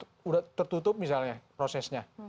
sekarang udah tertutup misalnya prosesnya